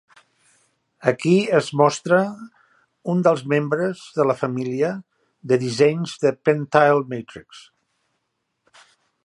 Aquí es mostra un dels membres de la família de dissenys de PenTile Matrix.